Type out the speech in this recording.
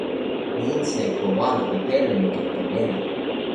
mi insa e ko walo pi telo mi kepeken nena.